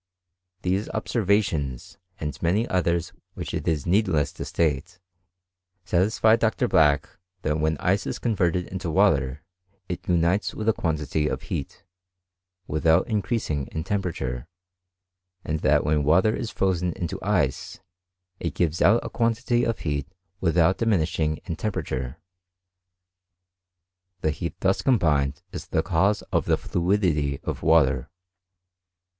These observations, and many others which it is needless to state, satisfied Dr. Black that when ice is converted into water it GHSXISTRY IN GREAT BRITAIN. . 331 ^^dtea with a quantity of heat, without increasing in ^^perature ; and that when water b frozen into ice ^ gives out a quantity of heat without diminishing in tampeJrature. The heat thus combined is the cause Of the fluidity of the water.